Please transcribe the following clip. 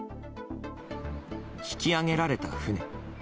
引き揚げられた船。